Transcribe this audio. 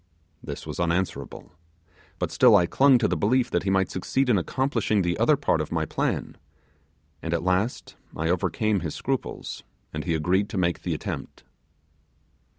This was unanswerable; but still I clung to the belief that he might succeed in accomplishing the other part of my plan; and at last I overcame his scruples, and he agreed to make the attempt.